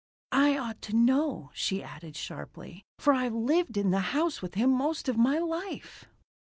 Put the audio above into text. "I ought to know," she added sharply, "for I've lived in the house with him most of my life."